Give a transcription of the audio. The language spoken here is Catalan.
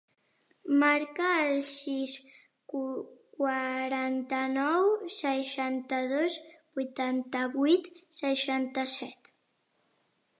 Marca el sis, quaranta-nou, seixanta-dos, vuitanta-vuit, seixanta-set.